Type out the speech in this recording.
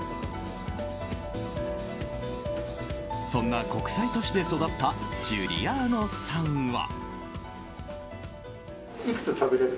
そんな国際都市で育ったジュリアーノさんは。